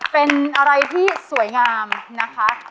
เป็นอะไรที่สวยงามนะคะ